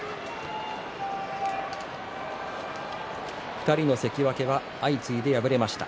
２人の関脇は相次いで敗れました。